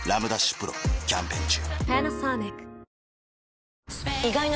丕劭蓮キャンペーン中